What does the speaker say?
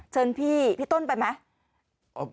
เชิญพี่พี่ต้นไปไหม